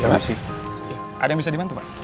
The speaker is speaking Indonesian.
ada yang bisa dibantu pak